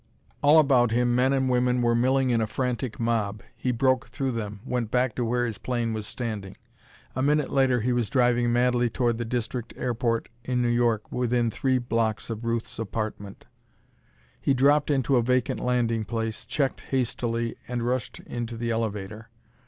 All about him men and women were milling in a frantic mob. He broke through them, went back to where his plane was standing. A minute later he was driving madly toward the district airport in New York within three blocks of Ruth's apartment. He dropped into a vacant landing place, checked hastily, and rushed into the elevator.